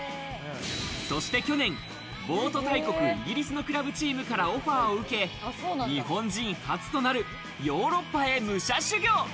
そして去年、ボート大国イギリスのクラブチームからオファーを受け、日本人初となるヨーロッパへ武者修行。